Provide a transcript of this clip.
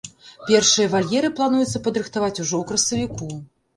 Першыя вальеры плануецца падрыхтаваць ужо ў красавіку.